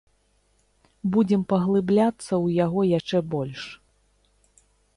Будзем паглыбляцца ў яго яшчэ больш.